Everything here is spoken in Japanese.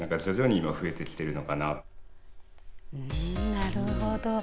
なるほど。